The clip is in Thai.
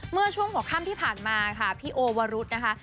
เมื่อช่วงหัวค่ำที่ผ่านมาค่ะพี่โอวรุธนะคะ